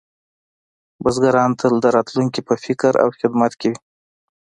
بزګران تل د راتلونکي په فکر او خدمت کې وو.